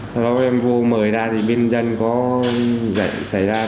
sau đó em vô mời ra thì bên dân có dậy xảy ra